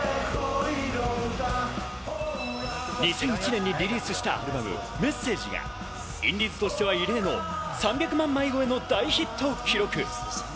２００１年にリリースした『ＭＥＳＳＡＧＥ』やインディーズとしては異例の３００万枚超えの大ヒットを記録。